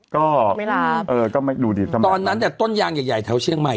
ก็เวลาเออก็ไม่ดูดิตอนนั้นเนี่ยต้นยางใหญ่แถวเชียงใหม่